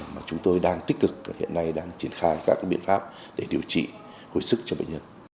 mà chúng tôi đang tích cực hiện nay đang triển khai các biện pháp để điều trị hồi sức cho bệnh nhân